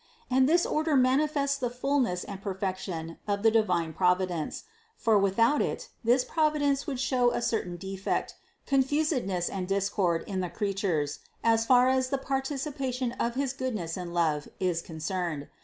And this order manifests the fullness and perfection of the divine Providence; for without it, this Providence would show a certain defect, confusedness and discord in the creatures as far as the participation of his goodness and love is concerned.